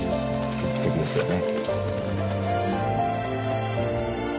神秘的ですよね。